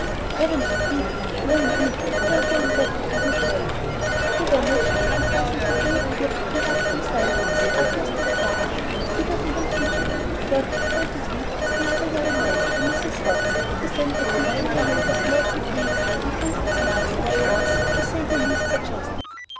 "Heaven forbid! No indeed, they are going back to the Ute Valley." He vanished, and presently re appeared to conduct himself with the utmost decorum. He did not even fidget when referred to pointedly as "the other young man," by Mrs. Watson, with an accompaniment of nods and blinks and wreathed smiles which was, to say the least, suggestive.